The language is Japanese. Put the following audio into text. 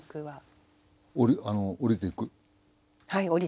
はい。